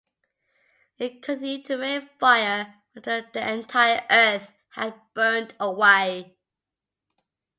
It continued to rain fire until the entire Earth had burned away.